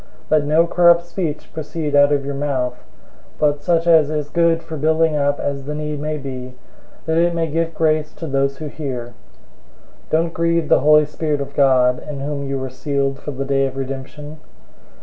004:029 Let no corrupt speech proceed out of your mouth, but such as is good for building up as the need may be, that it may give grace to those who hear. 004:030 Don't grieve the Holy Spirit of God, in whom you were sealed for the day of redemption.